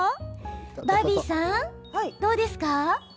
バービーさん、どうですか？